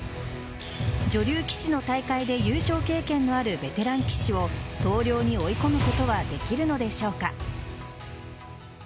女流棋士の大会で優勝経験のあるベテラン棋士を投了に追い込むことができるのでしょうか。